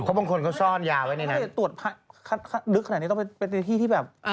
เพราะบางคนเขาซ่อนยาไว้เนี่ยนะแต่ถ้าตรวจดึ๊กขนาดนี้ต้องเป็นที่ที่แบบเอ่อ